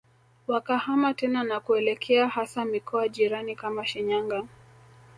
wakahama tena na kuelekea hasa mikoa jirani kama Shinyanga